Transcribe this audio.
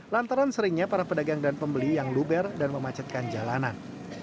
lantaran seringnya para pedagang dan pembeli yang luber dan memacetkan jalanan